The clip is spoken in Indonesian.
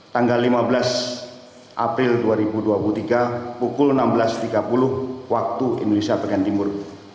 tanggal lima belas april dua ribu dua puluh tiga pukul enam belas tiga puluh waktu indonesia bagian timur